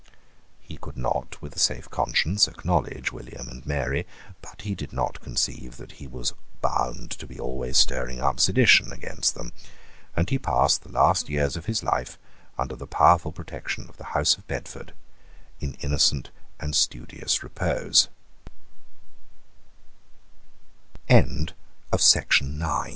He could not with a safe conscience acknowledge William and Mary: but he did not conceive that he was bound to be always stirring up sedition against them; and he passed the last years of his life, under the powerful protection of the House of Bedford, in innocent and studious rep